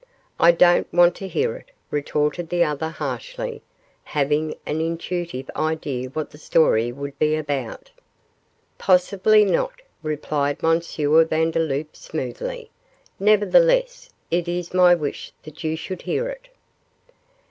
'I don't want to hear it,' retorted the other, harshly, having an intuitive idea what the story would be about. 'Possibly not,' replied M. Vandeloup, smoothly; 'nevertheless it is my wish that you should hear it.